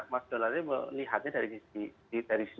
mas donald ini melihatnya dari sisi